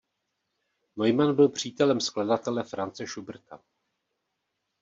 Neumann byl přítelem skladatele Franze Schuberta.